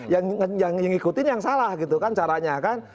yang ngikutin yang salah gitu kan caranya kan